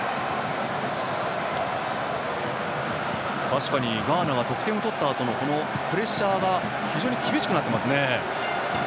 確かにガーナが得点を取ったあとのプレッシャーが非常に厳しくなってますね。